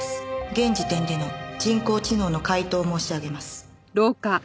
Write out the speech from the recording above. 現時点での人工知能の回答を申し上げます。